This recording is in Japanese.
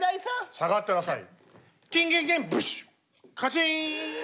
下がってなさい。